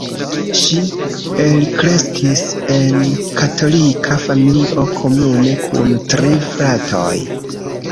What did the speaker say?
Ŝi elkreskis en katolika familio komune kun tri fratoj.